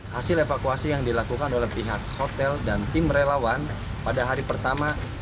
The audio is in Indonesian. hasil evakuasi yang dilakukan oleh pihak hotel dan tim relawan pada hari pertama